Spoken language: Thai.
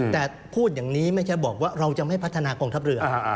แต่พูดอย่างนี้ไม่ใช่บอกว่าเราจะไม่พัฒนากองทัพเรือ